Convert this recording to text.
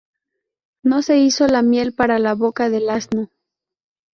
No se hizo la miel para la boca del asno